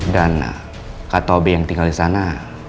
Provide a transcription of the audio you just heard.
dan kak tobi yang tinggal disana